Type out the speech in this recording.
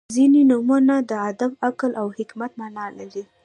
• ځینې نومونه د ادب، عقل او حکمت معنا لري.